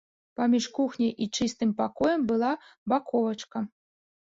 Паміж кухняй і чыстым пакоем была баковачка.